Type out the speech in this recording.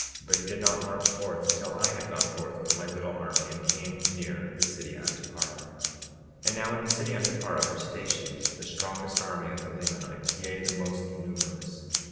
But he did not march forth until I had gone forth with my little army, and came near the city Antiparah. 56:34 And now, in the city Antiparah were stationed the strongest army of the Lamanites; yea, the most numerous.